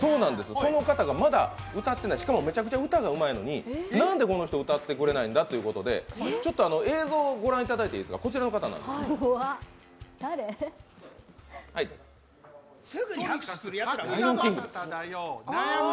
その方がまだ歌ってない、しかも、めちゃくちゃ歌がうまいのに、なんでこの人歌ってくれないんだということで、映像をご覧いただいていいですか、こちらの方なんです。